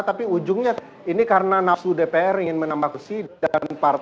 tapi ujungnya ini karena nafsu dpr ingin menambah kursi dan partai ingin mendapatkan kursi